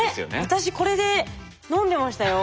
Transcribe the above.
私これで飲んでましたよ。